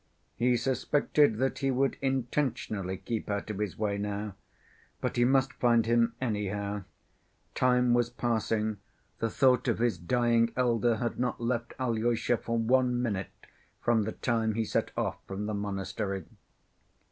He suspected that he would intentionally keep out of his way now, but he must find him anyhow. Time was passing: the thought of his dying elder had not left Alyosha for one minute from the time he set off from the monastery.